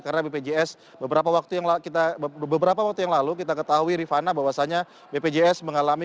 karena bpjs beberapa waktu yang lalu kita ketahui rifana bahwasannya bpjs mengalami